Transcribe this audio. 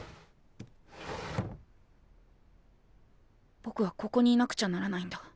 ぼくはここにいなくちゃならないんだ。